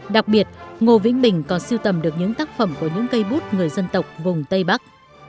đặc biệt ngô vĩnh bình còn siêu tầm được những tác phẩm của những cây bút người dân tộc vùng tây bắc